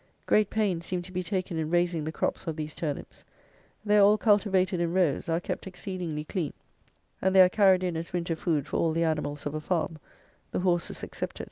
Great pains seem to be taken in raising the crops of these turnips: they are all cultivated in rows, are kept exceedingly clean, and they are carried in as winter food for all the animals of a farm, the horses excepted.